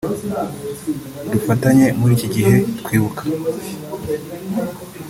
dufatanye muri iki gihe twibuka